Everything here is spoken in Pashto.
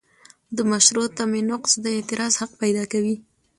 د مشروع تمې نقض د اعتراض حق پیدا کوي.